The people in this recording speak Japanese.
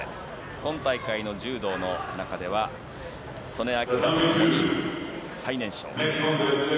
今大会の柔道の中では素根輝とともに最年少。